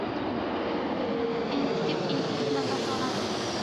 Entikib-entikib nafas oladi.